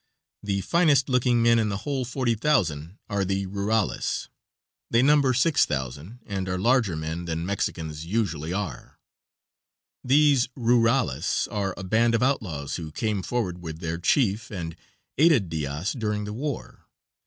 The finest looking men in the whole 40,000 are the rurales. They number 6000 and are larger men than Mexicans usually are. These rurales are a band of outlaws who came forward with their chief and aided Diaz during the war.